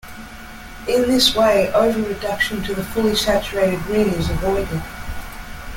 In this way, over reduction to the fully saturated ring is avoided.